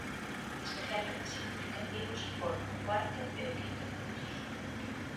Especialmente significativos foron o cuarto e o quinto puntos.